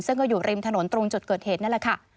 ซึ่งก็อยู่ริมถนนตรงจุดเกิดเหตุนั่นแหละค่ะ